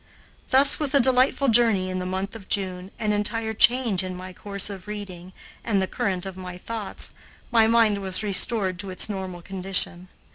Thus, with a delightful journey in the month of June, an entire change in my course of reading and the current of my thoughts, my mind was restored to its normal condition.